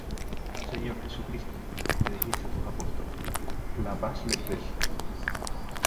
Señor Jesucristo, que dijiste a tus apóstoles: “La paz les dejo,